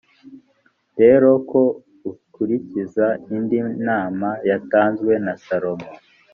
rero ko ukurikiza indi nama yatanzwe na salomo